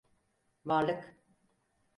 Varlık.